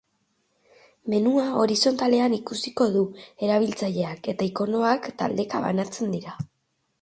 Menua horizontalean ikusiko du erabiltzaileak eta ikonoak taldeka banatzen dira.